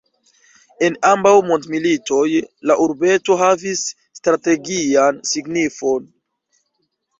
En ambaŭ mondmilitoj la urbeto havis strategian signifon.